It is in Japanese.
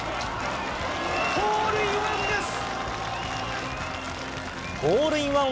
ホールインワンです。